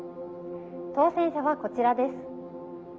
当選者はこちらです。